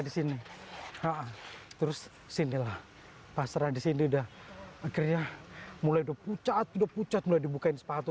di sini terus sini lah pasrah di sini udah akhirnya mulai dupu catu catu dibukain sepatu